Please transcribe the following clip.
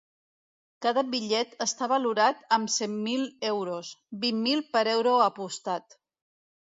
Cada bitllet està valorat amb cent mil euros, vint mil per euro apostat.